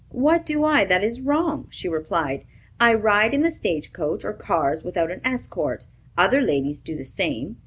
"What do I that is wrong?" she replied. "I ride in the stage coach or cars without an escort. Other ladies do the same.